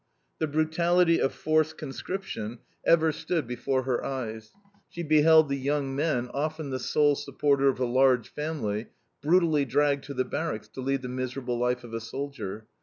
The brutality of forced conscription ever stood before her eyes: she beheld the young men, often the sole supporter of a large family, brutally dragged to the barracks to lead the miserable life of a soldier.